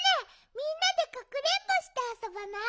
みんなでかくれんぼしてあそばない？